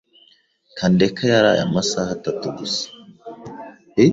Kandeke yaraye amasaha atatu gusa.